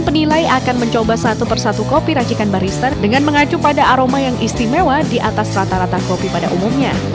kemudian secara rasa dia harus speciality